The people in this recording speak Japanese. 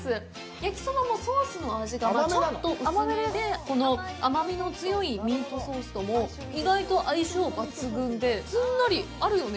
焼きそばもソースの味がちょっと薄めで、この甘みの強いミートソースとも意外と相性抜群で、すんなり、あるよね？